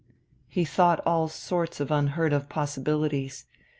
He thought of all sorts of unheard of possibilities.